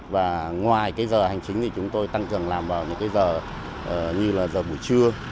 và ngoài giờ hành chính thì chúng tôi tăng trường làm vào những giờ như là giờ buổi trưa